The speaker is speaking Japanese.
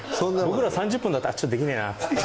僕ら３０分だったら「ちょっとできねえな」っつって。